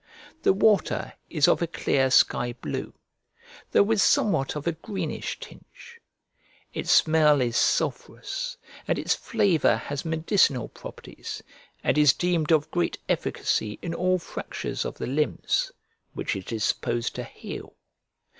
The water is of a clear sky blue, though with somewhat of a greenish tinge; its smell is sulphurous, and its flavour has medicinal properties, and is deemed of great efficacy in all fractures of the limbs, which it is supposed to heal.